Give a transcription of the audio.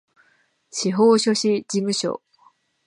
司法書士事務所